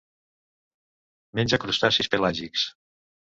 Menja crustacis pelàgics.